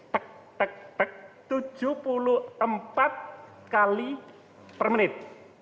tek tek tek tujuh puluh empat kali per menit